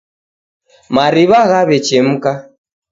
mariw'a ghaw'echemka.